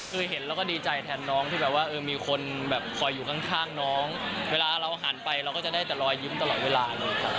คือเห็นแล้วก็ดีใจแทนน้องที่แบบว่ามีคนแบบคอยอยู่ข้างน้องเวลาเราหันไปเราก็จะได้แต่รอยยิ้มตลอดเวลาเลยครับ